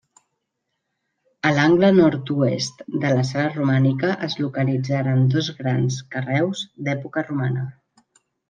A l'angle nord-oest de la sala romànica es localitzaren dos grans carreus d'època romana.